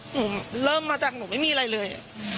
หนูเริ่มมาจากหนูไม่มีอะไรเลย